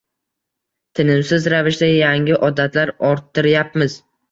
Tinimsiz ravishda yangi odatlar orttirayapmiz.